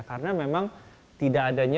karena memang tidak adanya